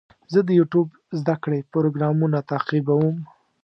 زه د یوټیوب زده کړې پروګرامونه تعقیبوم.